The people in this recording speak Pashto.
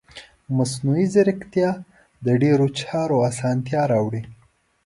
مصنوعي ځیرکتیا د ډیرو چارو اسانتیا راوړي.